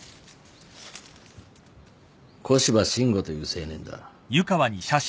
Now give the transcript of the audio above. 古芝伸吾という青年だ。